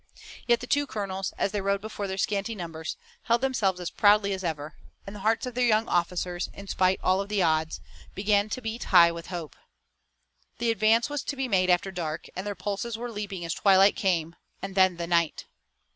Yet the two colonels, as they rode before their scanty numbers, held themselves as proudly as ever, and the hearts of their young officers, in spite of all the odds, began to beat high with hope. The advance was to be made after dark, and their pulses were leaping as the twilight came, and then the night.